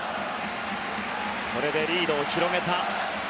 これでリードを広げた。